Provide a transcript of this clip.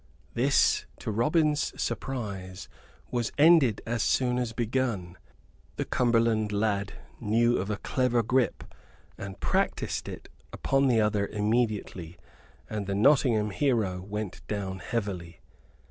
This, to Robin's surprise, was ended as soon as begun. The Cumberland lad knew of a clever grip, and practised it upon the other immediately, and the Nottingham hero went down heavily.